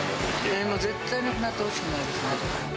絶対なくなってほしくないですね。